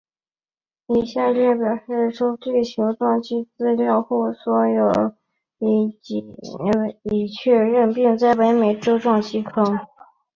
以下列表列出地球撞击资料库内所有已确认并在北美洲的撞击坑。